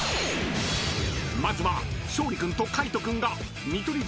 ［まずは勝利君と海人君が見取り